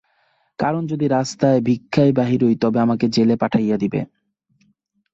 কারণ যদি রাস্তায় ভিক্ষায় বাহির হই, তবে আমাকে জেলে পাঠাইয়া দিবে।